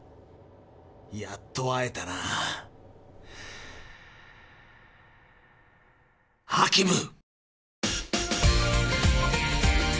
やっと会えたなハキム！